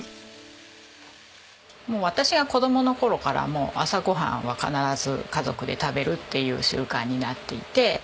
私が子供の頃から朝ごはんは必ず家族で食べるっていう習慣になっていて。